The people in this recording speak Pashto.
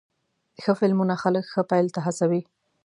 ښه فلمونه خلک ښه پیل ته هڅوې.